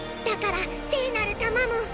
だからせいなるたまも。